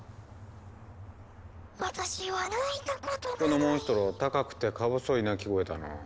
このモンストロ高くてかぼそい鳴き声だな。